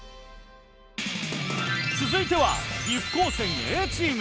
続いては岐阜高専Ａチーム。